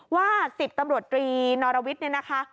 ว่า๑๐ตำรวจตรีนอรวิทย์